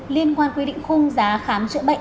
liên quan quy định khung giá khám chữa bệnh